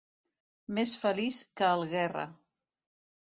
Més feliç que el Guerra.